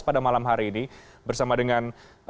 pada malam hari ini bersama dengan